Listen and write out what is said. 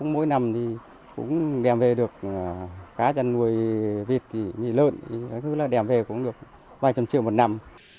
mỗi năm cũng đem về được cá chăn nuôi vịt nghỉ lợn đem về cũng được ba trăm linh triệu một năm